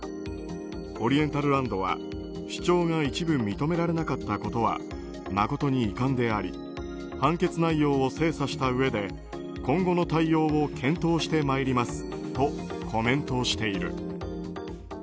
オリエンタルランドは、主張が一部認められなかったことは誠に遺憾であり、判決内容を精査したうえで今後の対応を検討して参りますとコメントしている。